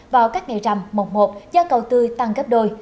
vào các ngày rằm mộng mộp giá cầu tươi tăng gấp đôi